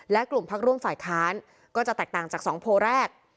และกลุ่มพักร่วมฝ่ายค้านก็จะแตกต่างจาก๒โพลแรก